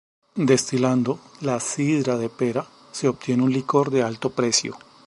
Destilando la 'sidra de pera' se obtiene un licor de alto precio.